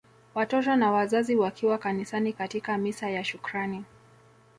Watoto na Wazazi wakiwa kanisani katika misa ya shukrani